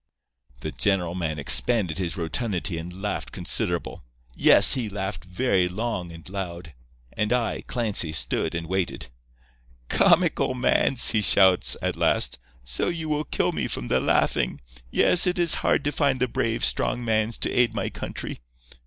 "The general man expanded his rotundity and laughed considerable. Yes, he laughed very long and loud, and I, Clancy, stood and waited. "'Comical mans!' he shouts, at last. 'So you will kill me from the laughing. Yes; it is hard to find the brave, strong mans to aid my country.